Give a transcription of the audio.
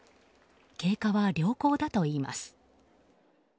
経過は良好だといいます。